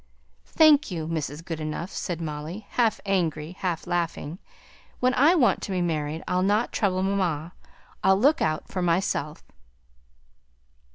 "Thank you, Mrs. Goodenough," said Molly, half angry, half laughing. "When I want to be married, I'll not trouble mamma. I'll look out for myself."